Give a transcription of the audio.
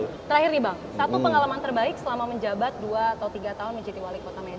oke terakhir nih bang satu pengalaman terbaik selama menjabat dua atau tiga tahun menjadi wali kota medan